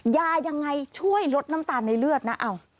ยายังไงช่วยลดน้ำตาลในเลือดนะ